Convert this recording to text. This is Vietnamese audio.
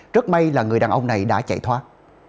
rất may là người đàn ông này đã chạy thoát